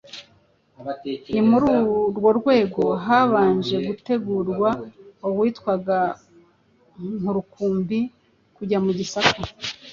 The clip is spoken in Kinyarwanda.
ni muri urwo rwego habanje gutegurwa uwitwaga Nkurukumbi kujya mu Gisaka ,